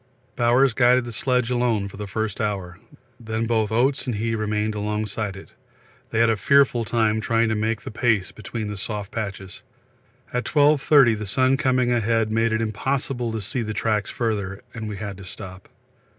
Bowers guided the sledge alone for the first hour, then both Oates and he remained alongside it; they had a fearful time trying to make the pace between the soft patches. At 12.30 the sun coming ahead made it impossible to see the tracks further, and we had to stop.